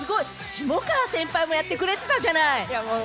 下川先輩もやってくれてたじゃない。